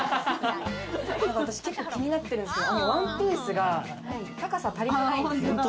私、結構、気になってるのはワンピースが高さ足りないんですよ。